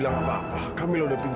ya allah gimana ini